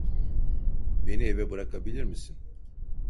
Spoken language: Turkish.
Beni eve bırakabilir misin?